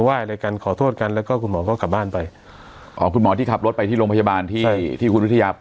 ว่ายอะไรกันขอโทษกันแล้วก็คุณหมอก็กลับบ้านไปอ๋อคุณหมอที่ขับรถไปที่โรงพยาบาลที่ที่คุณวิทยา